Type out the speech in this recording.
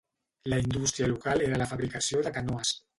La indústria local era la fabricació de canoes.